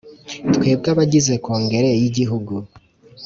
Twebwe abagize Kongere y Igihugu